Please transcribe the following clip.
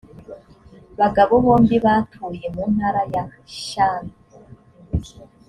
bagabo bombi batuye mu ntara ya shan